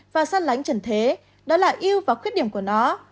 và sát lánh trần thế đó là yêu vào khuyết điểm của nó